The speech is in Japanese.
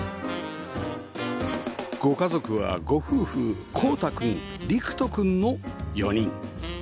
ご家族はご夫婦晃太君陸斗君の４人